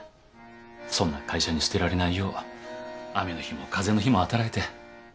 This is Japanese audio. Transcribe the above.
そんな会社に捨てられないよう雨の日も風の日も働いて。